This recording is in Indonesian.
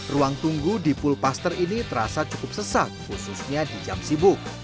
ruang tunggu di pulpaster ini terasa cukup sesat khususnya di jam sibuk